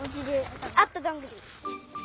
あったどんぐり。